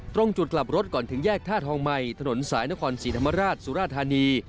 ตรงจุดกลับรถก่อนถึงแยกท่าทองใหม่ถนนสายนครศรีธรรมราชสุราธานี